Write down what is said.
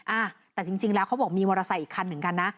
อ่ะแต่จริงแล้วเขาบอกมีมอเตอร์ไซค์อีกคันเหมือนกันนะ